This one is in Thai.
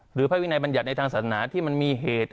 หรือภาพวินัยบรรยัตน์ในทางศาสนาที่มันมีเหตุ